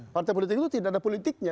partai politik itu tidak ada politiknya